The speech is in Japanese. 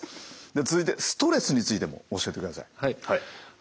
で続いてストレスについても教えてください。